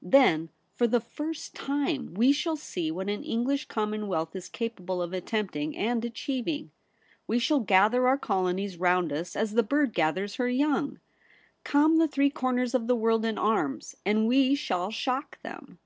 Then for the first time we shall see what an English commonwealth is capable of attempting and achievine. We shall gather our colonies round us as the bird gathers her young. Come the three corners of the world in arms, and we shall shock them.'